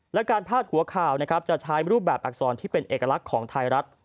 และการพาดหัวข่าวนะครับจะใช้รูปแบบอักษรที่เป็นเอกลักษณ์ของไทยรัฐ